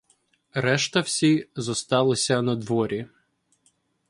Решта всі зосталися надворі.